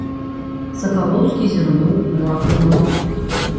Сакалоўскі зірнуў у акно.